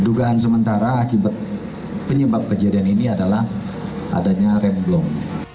dugaan sementara akibat penyebab kejadian ini adalah adanya rem blong